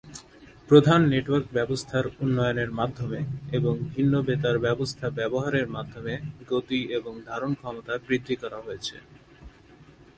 প্রধান নেটওয়ার্ক ব্যবস্থার উন্নয়নের মাধ্যমে এবং ভিন্ন বেতার ব্যবস্থা ব্যবহারের মাধ্যমে গতি এবং ধারণ ক্ষমতা বৃদ্ধি করা হয়েছে।